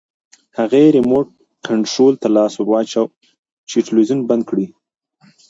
هغې ریموټ کنټرول ته لاس ورواچاوه چې تلویزیون بند کړي.